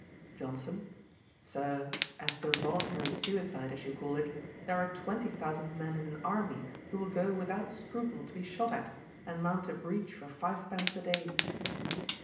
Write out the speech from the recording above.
JOHNSON. 'Sir, as to voluntary suicide, as you call it, there are twenty thousand men in an army who will go without scruple to be shot at, and mount a breach for five pence a day.'